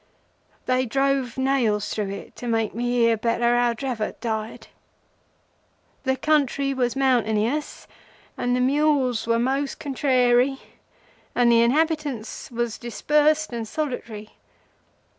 They drove nails through it to make me hear better how Dravot died. The country was mountainous and the mules were most contrary, and the inhabitants was dispersed and solitary.